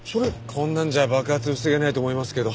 こんなんじゃ爆発防げないと思いますけど。